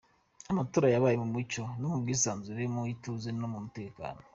Amatora yabaye mu mucyo no mu bwisanzure, mu ituze no mu mutekano.